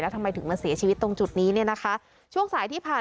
ทำไมถึงมาเสียชีวิตตรงจุดนี้เนี่ยนะคะช่วงสายที่ผ่าน